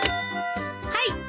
はい。